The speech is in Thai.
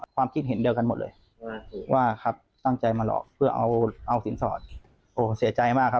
ความคิดเห็นเดียวกันหมดเลยว่าครับตั้งใจมาหลอกเพื่อเอาสินสอดโอ้เสียใจมากครับ